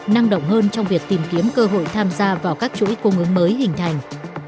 năng động hơn trong việc tìm kiếm cơ hội tham gia vào các chuỗi cung ứng mới hình thành